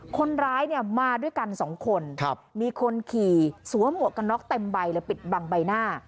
คนร้ายเนี่ยมาด้วยกันสองคนมีคนขี่สวมหมวกกันน็อกเต็มใบเลยปิดบังใบหน้า